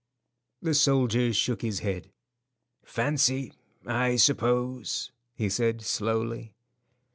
The soldier shook his head. "Fancy, I suppose," he said, slowly.